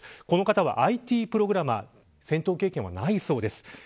この方はＩＴプログラマーで戦闘経験はないそうです。